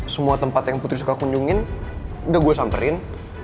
semua tempat yang putri suka kunjungin udah gue samperin